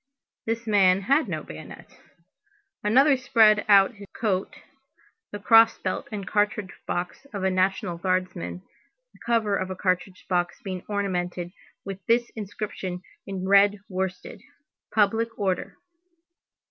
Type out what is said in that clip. This man had no bayonet. Another spread out over his coat the cross belt and cartridge box of a National Guardsman, the cover of the cartridge box being ornamented with this inscription in red worsted: Public Order.